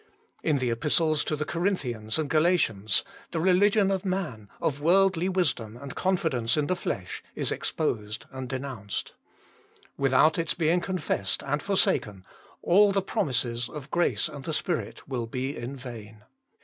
In the Epistles to the Corinthians and Galatians the religion of man, of worldly wisdom and confidence in the flesh, is exposed and denounced ; without its being confessed and forsaken, all the promises of grace and the Spirit will be vain.